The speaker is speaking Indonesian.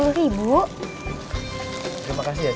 terima kasih ya cik